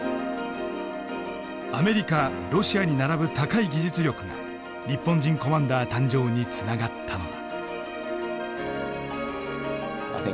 アメリカロシアに並ぶ高い技術力が日本人コマンダー誕生につながったのだ。